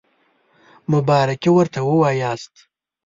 مبارکي ورته ووایاست.